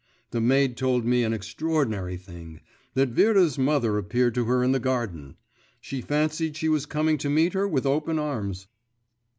The maid told me an extraordinary thing; that Vera's mother appeared to her in the garden; she fancied she was coming to meet her with open arms.